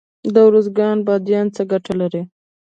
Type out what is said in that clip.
د ارزګان بادیان څه ګټه لري؟